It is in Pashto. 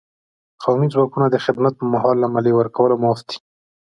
قومي ځواکونه د خدمت په مهال له مالیې ورکولو معاف کېدل.